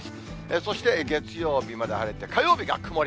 そして月曜日まで晴れて、火曜日が曇り。